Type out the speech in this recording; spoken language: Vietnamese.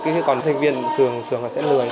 cái còn sinh viên thường là sẽ lường